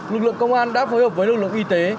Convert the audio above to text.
lực lượng công an đã phối hợp với lực lượng y tế